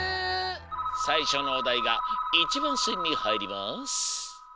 さいしょのおだいが１ばんせんにはいります。